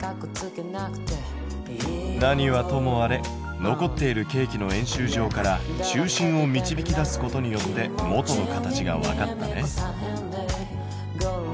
何はともあれ残っているケーキの円周上から中心を導き出すことによって元の形がわかったね。